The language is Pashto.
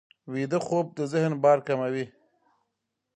ویده خوب د ذهن بار کموي